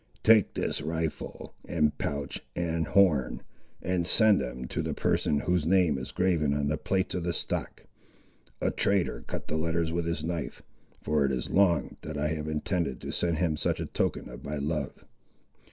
"Take this rifle, and pouch, and horn, and send them to the person, whose name is graven on the plates of the stock,—a trader cut the letters with his knife,—for it is long, that I have intended to send him such a token of my love."